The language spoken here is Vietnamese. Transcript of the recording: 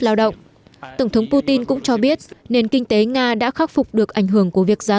lao động tổng thống putin cũng cho biết nền kinh tế nga đã khắc phục được ảnh hưởng của việc giá